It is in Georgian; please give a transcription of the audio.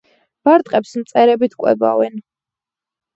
ბარტყებს მწერებით კვებავენ.